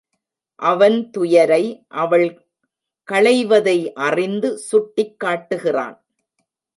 அவன் துயரை அவள் களைவதை அறிந்து சுட்டிக் காட்டுகிறான்.